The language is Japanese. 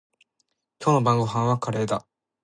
今日の晩ごはんはカレーだ。